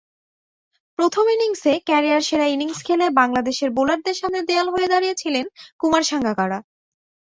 প্রথম ইনিংসে ক্যারিয়ারসেরা ইনিংস খেলে বাংলাদেশের বোলারদের সামনে দেয়াল হয়ে দাঁড়িয়েছিলেন কুমার সাঙ্গাকারা।